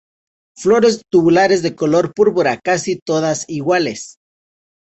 Flores tubulares de color púrpura casi todas iguales.